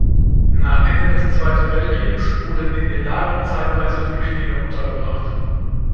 Nach Ende des Zweiten Weltkriegs wurden in den Lagern zeitweise Flüchtlinge untergebracht.